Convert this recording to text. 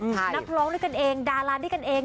นักร้องด้วยกันเองดาราด้วยกันเอง